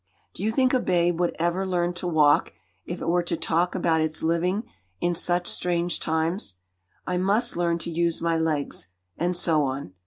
Do you think a babe would ever learn to walk if it were to talk about its living in such 'strange times,' 'I must learn to use my legs,' and so on?